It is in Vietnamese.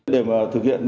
để mà thực hiện